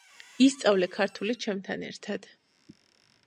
ისწავლე ქართული ჩემთან ერთად